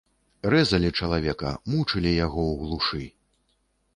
Рэзалі чалавека, мучылі яго ў глушы.